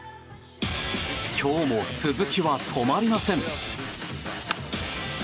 今日も鈴木は止まりません。